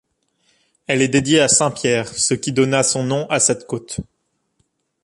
Elle est dédiée à saint Pierre, ce qui donna son nom à cette côte.